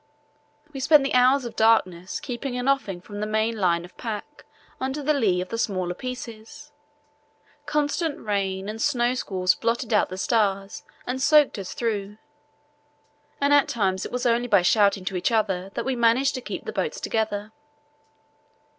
We spent the hours of darkness keeping an offing from the main line of pack under the lee of the smaller pieces. Constant rain and snow squalls blotted out the stars and soaked us through, and at times it was only by shouting to each other that we managed to keep the boats together.